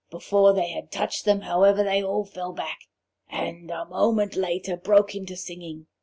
Before they had touched them, however, they all fell back, and a moment later broke into singing.